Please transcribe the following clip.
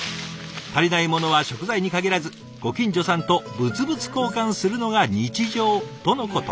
足りないものは食材に限らずご近所さんと物々交換するのが日常とのこと。